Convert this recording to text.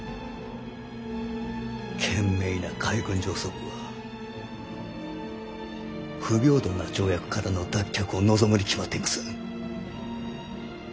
賢明な海軍上層部は不平等な条約からの脱却を望むに決まっています。